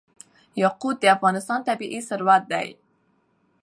یاقوت د افغانستان طبعي ثروت دی.